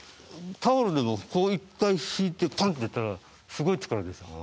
タオルでも１回引いてパンってやったらすごい力ですよね。